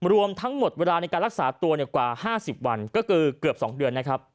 รวมทั้งหมดเวลาในการรักษาตัวกว่า๕๐วันก็คือเกือบ๒เดือนนะครับ